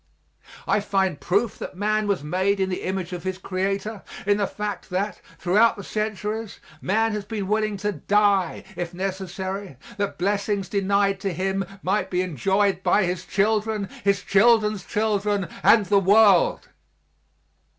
I find proof that man was made in the image of his Creator in the fact that, throughout the centuries, man has been willing to die, if necessary, that blessings denied to him might be enjoyed by his children, his children's children and the world.